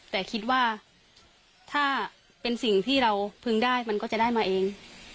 แต่คิดว่าถ้าเป็นสิ่งที่เราพึงได้มันก็จะได้มาเอง